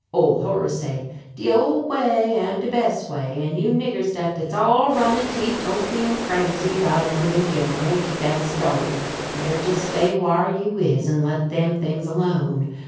Ole Horace say: "De ole way am de bes' way, an' you niggers dat's all runnin' teetotleum crazy 'bout ebery new gimerack dat's started, better jes' stay whar you is and let them things alone."